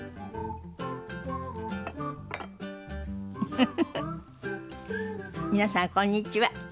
フフフフ皆さんこんにちは。